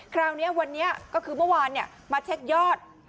คราวนี้วันนี้ก็คือเมื่อวานมาเช็คยอด